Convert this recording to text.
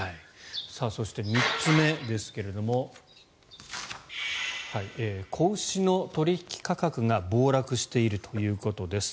そして、３つ目ですが子牛の取引価格が暴落しているということです。